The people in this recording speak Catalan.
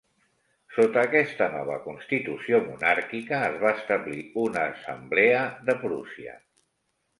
Sota aquesta nova constitució monàrquica, es va establir una Assemblea de Prússia.